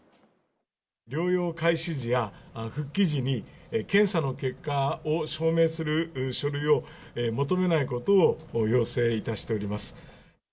療養開始時や復帰時に、検査の結果を証明する書類を求めないことを要請いたしております。